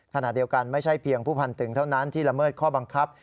ขณะเดียวกันไม่ใช่เพียงผู้พันธุ์ถึงเท่านั้นที่ละเมิดข้อบังคับ